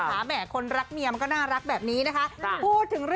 แหมคนรักเมียมันก็น่ารักแบบนี้นะคะ